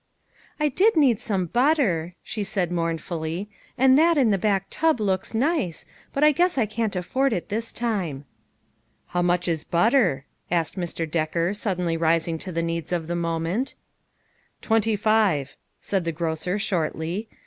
" I did need some butter," she said mourn fully, " and that in the tub looks nice, but I guess I can't afford it this time." " How much is butter ?" asked Mr. Decker, suddenly rising to the needs of the moment. "Twenty five," said the grocer, shortly.